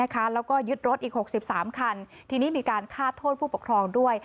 แล้วก็ยึดรถอีก๖๓คันทีนี้มีการฆ่าโทษผู้ปกครองด้วย